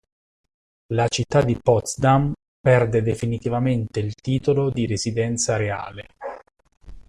La città di Potsdam perde definitivamente il titolo di residenza reale.